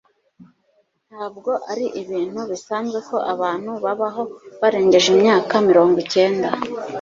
ntabwo ari ibintu bisanzwe ko abantu babaho barengeje imyaka mirongo cyenda